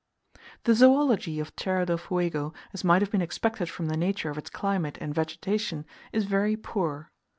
The zoology of Tierra del Fuego, as might have been expected from the nature of its climate and vegetation, is very poor.